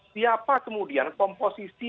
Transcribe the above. siapa kemudian komposisi